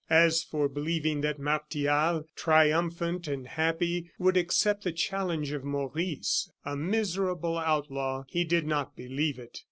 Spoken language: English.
As for believing that Martial, triumphant and happy, would accept the challenge of Maurice, a miserable outlaw, he did not believe it.